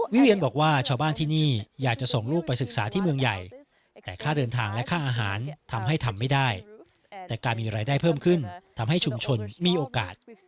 เวียนบอกว่าชาวบ้านที่นี่อยากจะส่งลูกไปศึกษาที่เมืองใหญ่แต่ค่าเดินทางและค่าอาหารทำให้ทำไม่ได้แต่การมีรายได้เพิ่มขึ้นทำให้ชุมชนมีโอกาส